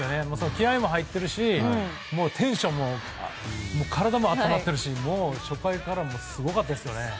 気合いも入ってるしテンションも、体も温まってるし初回からすごかったですよね。